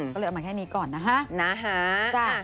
ก็เลยเอามาแค่นี้ก่อนนะฮะ